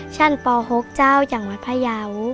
ชั้นป๖เจ้าอย่างวัดพระเยาะ